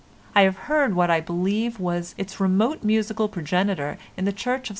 I have heard what I believe was its remote musical progenitor in the church of SS.